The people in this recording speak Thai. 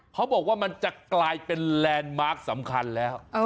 เขาบอกว่ามันจะกลายเป็นแลนด์มาร์คสำคัญแล้ว